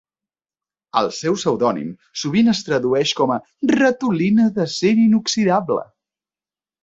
El seu pseudònim sovint es tradueix com "Ratolina d'acer inoxidable".